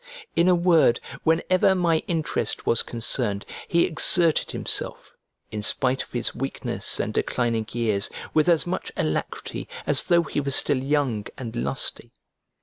In a word, whenever my interest was concerned, he exerted himself, in spite of his weakness and declining years, with as much alacrity as though he were still young and lusty.